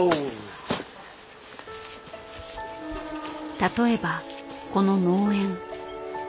例えばこの農園。